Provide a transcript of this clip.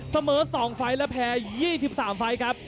เสมอ๒ไฟล์และแพ้๒๓ไฟล์ครับ